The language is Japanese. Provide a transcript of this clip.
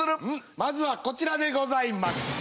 まずはこちらでございます！